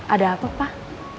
ada apa pak